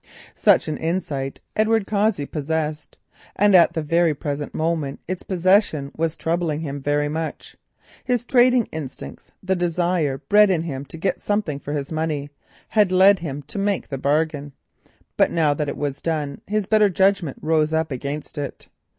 Such an insight Edward Cossey possessed, and at the present moment its possession was troubling him very much. His trading instincts, the desire bred in him to get something for his money, had led him to make the bargain, but now that it was done his better judgment rose up against it.